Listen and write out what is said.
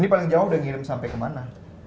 ini paling jauh udah ngirim sampai kemana